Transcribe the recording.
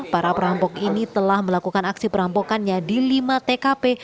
para perampok ini telah melakukan aksi perampokannya di lima tkp